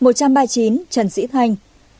một trăm ba mươi chín trần sĩ thanh